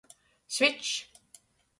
Svičs.